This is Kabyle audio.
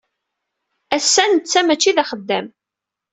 Ass-a, netta mačči d axeddam.